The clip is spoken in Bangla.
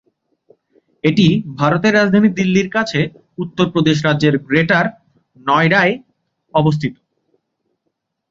এটি ভারতের রাজধানী দিল্লির কাছে উত্তরপ্রদেশ রাজ্যের গ্রেটার নয়ডায় অবস্থিত।